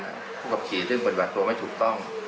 ผู้กับขี่เรื่องบริหารตัวไม่ถูกต้อง